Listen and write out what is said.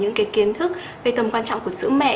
những cái kiến thức về tầm quan trọng của sữa mẹ